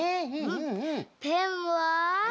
ペンは？